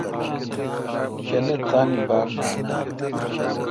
تنی تانی باگ نان اؘ۔